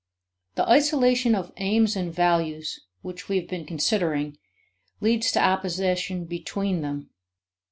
The isolation of aims and values which we have been considering leads to opposition between them.